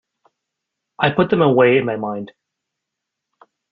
I put them away in my mind.